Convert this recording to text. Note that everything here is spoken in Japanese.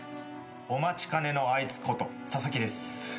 お待ちかねのあいつこと佐々木です。